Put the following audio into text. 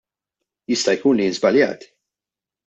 Jista' jkun li jien żbaljat.